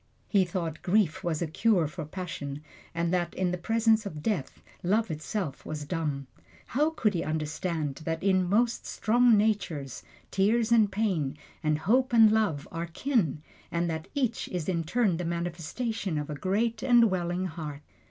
He thought grief was a cure for passion, and that in the presence of death, love itself was dumb. How could he understand that, in most strong natures, tears and pain, and hope and love are kin, and that each is in turn the manifestation of a great and welling heart!